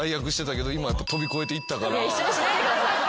一緒にしないでください。